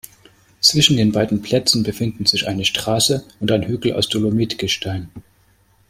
Zwischen den beiden Plätzen befinden sich eine Straße und ein Hügel aus Dolomitgestein.